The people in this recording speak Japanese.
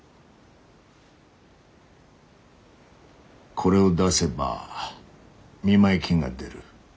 これを出せば見舞い金が出る。